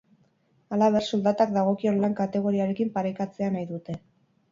Halaber, soldatak dagokion lan-kategoriarekin parekatzea nahi dute.